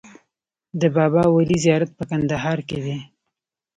د بابای ولي زیارت په کندهار کې دی